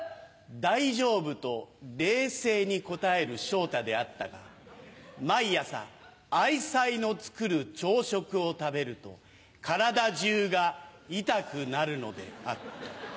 大丈夫と冷静に答える昇太であったが毎朝愛妻の作る朝食を食べると体中が痛くなるのであった。